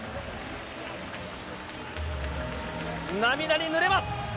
涙に濡れます。